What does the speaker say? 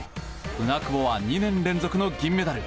舟久保は２年連続の銀メダル。